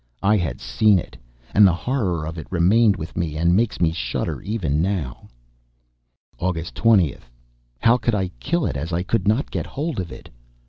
I had seen it! And the horror of it remained with me and makes me shudder even now. August 20th. How could I kill it, as I could not get hold of it?